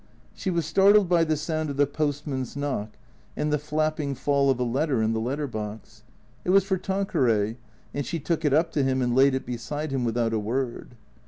She was startled by the sound of the postman's knock and the flapping fall of a letter in the letter box. It was for Tan queray, and she took it up to him and laid it beside him without a word.